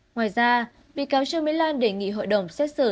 ngoài ra bị cáo trương mỹ lan đề nghị hội đồng xét xử